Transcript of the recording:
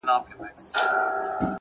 د زړه سکون له روښانه وجدان راځي.!